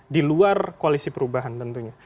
di luar koalisi perubahan tentunya